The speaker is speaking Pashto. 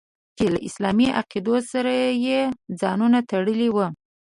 چې له اسلامي عقایدو سره یې ځانونه تړلي وو.